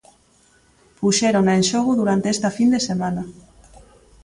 Puxérona en xogo durante esta fin de semana.